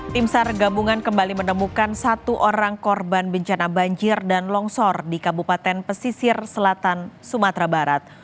tim sar gabungan kembali menemukan satu orang korban bencana banjir dan longsor di kabupaten pesisir selatan sumatera barat